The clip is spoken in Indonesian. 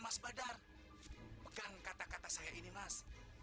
mas badar pegang kata kata saya ini mas